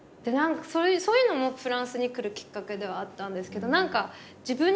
そういうのもフランスに来るきっかけではあったんですけど何か。